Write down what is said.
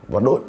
và đối tượng